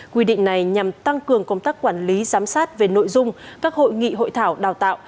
quy định này nhằm tăng cường công tác quản lý giám sát về nội dung các hội nghị hội thảo đào tạo